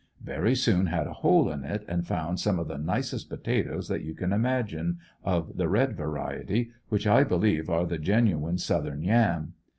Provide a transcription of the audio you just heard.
Very soon had a hole in, and found some of the nicest potatoes that you can imagine, of the red variety, which I believe are the genuine Southern yam.